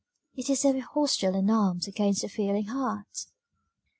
it is ever hostile and armed against the feeling heart!